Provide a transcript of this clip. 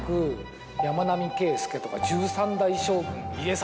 １３代将軍。